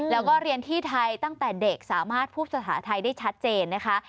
แล้วก็เรียนที่ไทยตั้งแต่เด็กสามารถพูดภาษาไทยได้ชัดเจนนะคะ